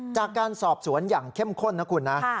จากการสอบสวนอย่างเข้มข้นนะคุณนะ